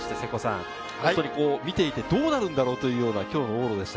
見ていてどうなるんだろうというような今日の往路でした。